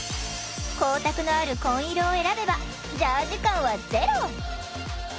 光沢のある紺色を選べばジャージ感はゼロ。